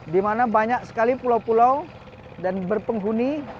dimana banyak sekali pulau pulau dan berpenghuni